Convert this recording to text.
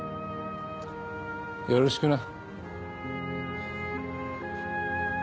よろしくな。